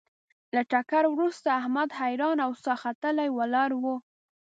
له ټکر ورسته احمد حیران او ساه ختلی ولاړ و.